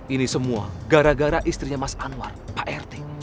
ini semua gara gara istrinya mas anwar pak rt